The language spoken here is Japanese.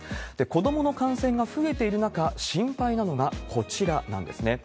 子どもの感染が増えている中、心配なのがこちらなんですね。